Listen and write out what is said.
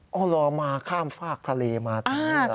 อ๋อเหรอมาข้ามฝากทะเลมาที่สุรินทร์